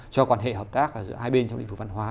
cho quan hệ hợp tác giữa hai bên trong lĩnh vực văn hóa